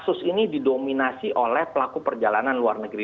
kasus ini didominasi oleh pelaku perjalanan luar negeri